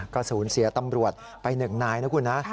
กระสูญเสียตำรวจไปหนึ่งนายนะคุณนะ